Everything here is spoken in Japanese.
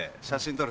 撮る？